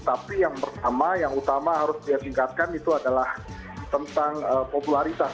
tapi yang pertama yang utama harus dia tingkatkan itu adalah tentang popularitas